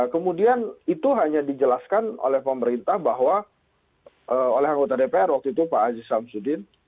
kemudian itu hanya dijelaskan oleh pemerintah bahwa oleh anggota dpr waktu itu pak aziz samsudin